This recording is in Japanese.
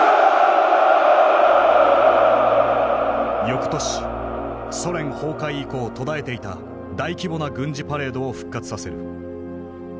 よくとしソ連崩壊以降途絶えていた大規模な軍事パレードを復活させる。